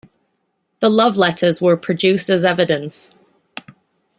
The love letters were produced as evidence.